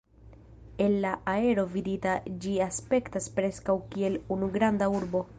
El la aero vidita ĝi aspektas preskaŭ kiel unu granda urbo.